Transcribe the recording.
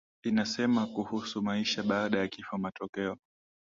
inasema kuhusu maisha baada ya kifo Matokeo